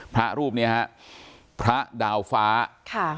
พระรูปเนี้ยฮะพระดาวฟ้าค่ะ